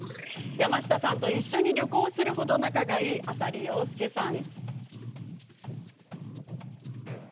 山下さんと一緒に旅行する程仲がいい、浅利陽介さん。